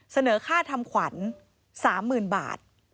เสนอค่าทำขวัญ๓๐๐๐บาท